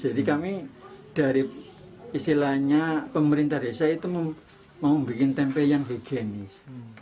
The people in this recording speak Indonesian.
jadi kami dari istilahnya pemerintah desa itu mau membuat tempe yang higienis